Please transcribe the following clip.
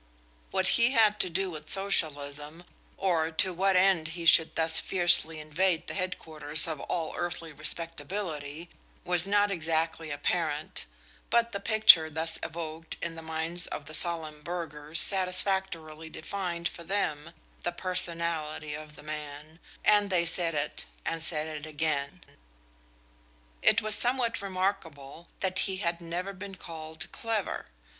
What he had to do with socialism, or to what end he should thus fiercely invade the headquarters of all earthly respectability, was not exactly apparent, but the picture thus evoked in the minds of the solemn burghers satisfactorily defined for them the personality of the man, and they said it and said it again. It was somewhat remarkable that he had never been called clever.